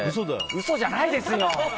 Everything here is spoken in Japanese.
嘘じゃないですよ！